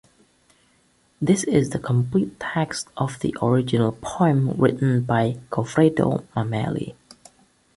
This is the complete text of the original poem written by Goffredo Mameli.